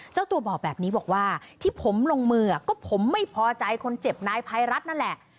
เจ้าตัวบอกแบบนี้บอกว่าที่ผมลงมือก็ผมไม่พอใจคนเจ็บนายภัยรัฐนั่นแหละ